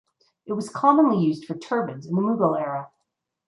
It was commonly used for turbans in the Mughal era.